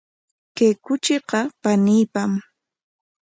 Kay kuchiqa paniipam.